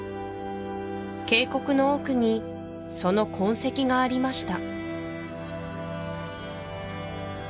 渓谷の奥にその痕跡がありました